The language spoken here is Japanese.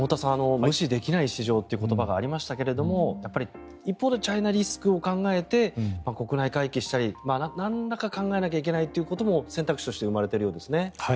無視できない市場という言葉がありましたがやっぱり一方でチャイナリスクを考えて国内回帰したりなんらか考えなきゃいけないということも選択肢として生まれているわけですね。